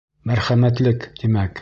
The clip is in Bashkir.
Мәрхәмәтлек, тимәк.